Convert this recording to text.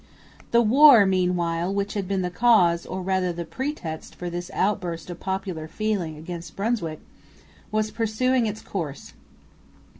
The war meanwhile, which had been the cause, or rather the pretext, for this outburst of popular feeling against Brunswick, was pursuing its course.